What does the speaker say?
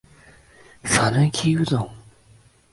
香川県さぬき市